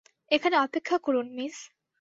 এখানে অপেক্ষা করুন, মিস।